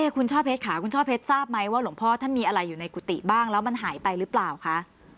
คุณช่อเพชรค่ะคุณช่อเพชรทราบไหมว่าหลวงพ่อท่านมีอะไรอยู่ในกุฏิบ้างแล้วมันหายไปหรือเปล่าคะ